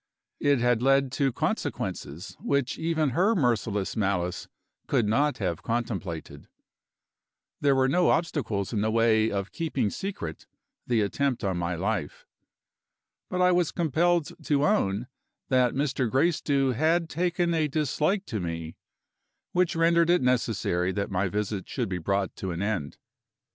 It had led to consequences which even her merciless malice could not have contemplated. There were no obstacles in the way of keeping secret the attempt on my life. But I was compelled to own that Mr. Gracedieu had taken a dislike to me, which rendered it necessary that my visit should be brought to an end.